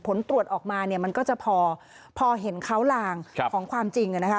ผลตรวจออกมาเนี่ยมันก็จะพอเห็นเขาลางของความจริงนะคะ